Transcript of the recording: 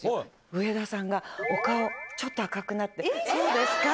上田さんが、お顔、ちょっと赤くなって、そうですか？